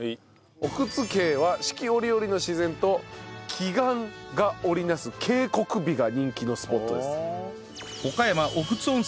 奥津渓は四季折々の自然と奇岩が織り成す渓谷美が人気のスポットです。